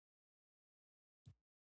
دوی تاریخ بیا تکراروي.